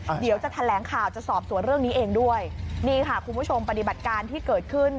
เดี๋ยวจะแถลงข่าวจะสอบสวนเรื่องนี้เองด้วยนี่ค่ะคุณผู้ชมปฏิบัติการที่เกิดขึ้น